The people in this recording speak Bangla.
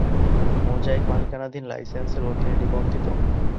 মোজাইক মালিকানাধীন লাইসেন্সের অধীনে নিবন্ধিত।